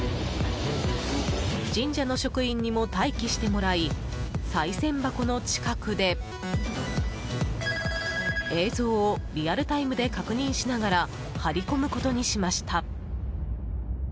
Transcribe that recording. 神社の職員にも待機してもらいさい銭箱の近くで映像をリアルタイムで確認しながら張り込むことにしました。